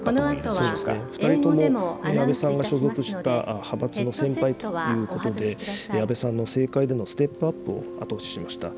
そうですね、２人とも安倍さんが所属した派閥の先輩ということで、安倍さんの政界でのステップアップを後押ししました。